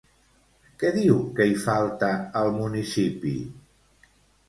Què diu que hi falta al municipi?